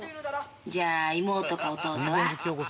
「じゃあ妹か弟は？」